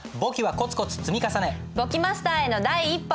簿記マスターへの第一歩。